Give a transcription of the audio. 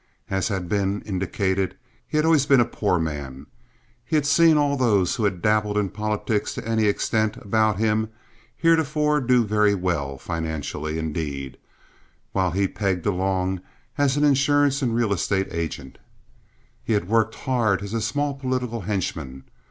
As has been indicated, he had always been a poor man. He had seen all those who had dabbled in politics to any extent about him heretofore do very well financially indeed, while he pegged along as an insurance and real estate agent. He had worked hard as a small political henchman.